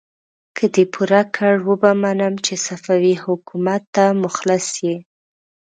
که دې پوره کړ، وبه منم چې صفوي حکومت ته مخلص يې!